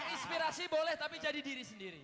inspirasi boleh tapi jadi diri sendiri